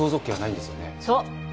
そう。